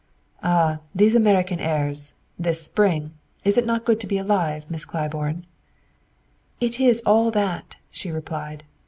"Ah, these American airs! This spring! Is it not good to be alive, Miss Claiborne?" "It is all of that!" she replied.